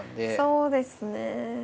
そうですね。